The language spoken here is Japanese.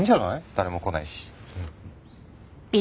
誰も来ないし。